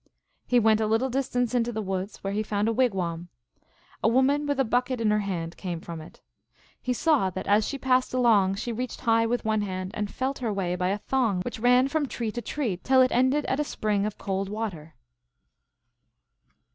He went a little distance into the woods, where he found a wigwam. A woman with a bucket in her hand came from it. He Saw that as she passed along she reached high with one hand, and felt her way by a thong which ran from tree to tree till it ended at a spring of cold water.